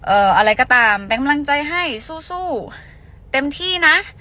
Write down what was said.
อะไรก็ตามเป็นกำลังใจให้สู้สู้เต็มที่นะ